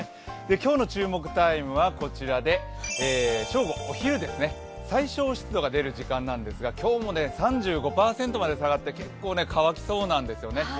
今日の注目タイムはこちらで正午お昼ですね、最小湿度が出る時間なんですが今日も３５％まで下がって結構乾きそうなんですよね。